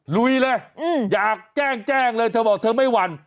ลุยเลยอยากแจ้งแจ้งเลยเธอบอกเธอไม่หวั่น